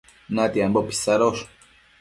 natiambo pisadosh